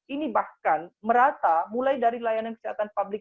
ini bahkan merata mulai dari layanan kesehatan publik